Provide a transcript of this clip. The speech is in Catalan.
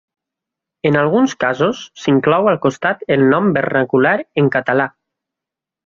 En alguns casos s'inclou al costat el nom vernacular en català.